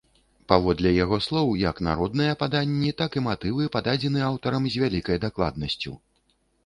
Паводле яго слоў, як народныя паданні, так і матывы пададзены аўтарам з вялікаю дакладнасцю.